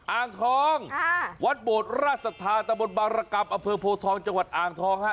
อ่างทองวัดโบร์ดรัชศาสตราตมบรรกับอเภอโพทองจังหวัดอ่างทอง